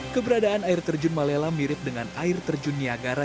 keberadaan air terjun malela mirip dengan air terjun niagara